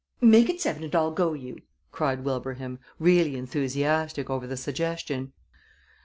"Make it seven and I'll go you!" cried Wilbraham, really enthusiastic over the suggestion.